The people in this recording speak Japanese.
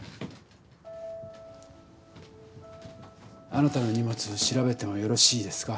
あなたの荷物調べてもよろしいですか？